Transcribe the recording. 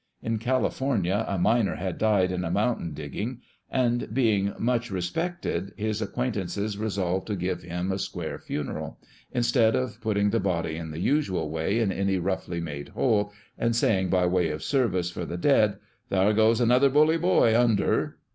In California a miner had died in a mountain digging, and, being mucli re spected, his acquaintances resolved to give him a " square funeral," instead of putting the body in ihe usual way in any roughly made hole, and saying by way of service lor the dead, " Thar goes another bully boy, under